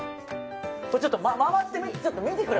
ちょっと、回って見てくれ。